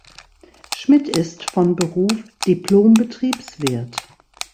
Schmidt ist von Beruf Diplom-Betriebswirt.